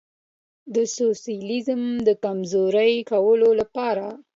د سوسیالیزم د کمزوري کولو لپاره.